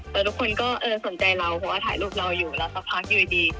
แต่ทุกคนก็เออสนใจเราเพราะว่าถ่ายรูปเราอยู่แล้วสักพักอยู่ดี